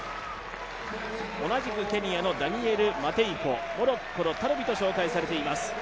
同じくケニアのダニエル・マテイコモロッコのタルビと紹介されています。